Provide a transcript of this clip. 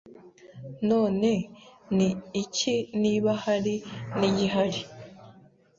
None ni iki niba hari n'igihari